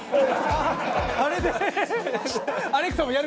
あれで。